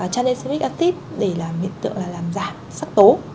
tranexamic acid để là biện tượng là làm giảm sắc tố